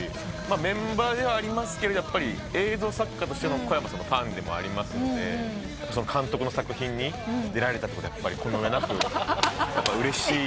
メンバーではありますけど映像作家としてのこやまさんのファンでもありますんで監督の作品に出られたってことはこの上なくうれしい。